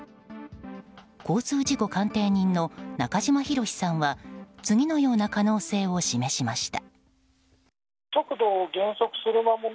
交通事故鑑定人の中島博史さんは次のような可能性を示しました。